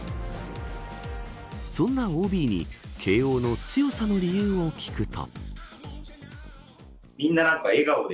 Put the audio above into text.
そんなＯＢに慶応の強さの理由を聞くと。